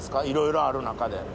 いろいろある中で。